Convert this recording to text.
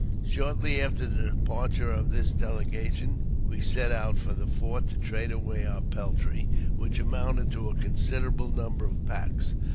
Shortly after the departure of this delegation, we set out for the fort to trade away our peltry, which amounted to a con siderable number of packs.